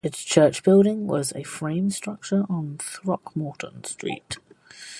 Its church building was a frame structure on Throckmorton Street.